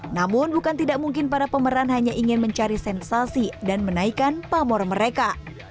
namun bukan tidak mungkin para pemeran hanya ingin mencari sensasi dan menaikkan pamor mereka